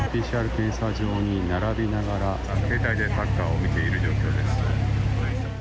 ＰＣＲ検査場に並びながら携帯で何かを見ている状況です。